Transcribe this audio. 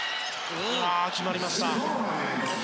決まりました。